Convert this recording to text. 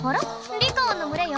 リカオンの群れよ。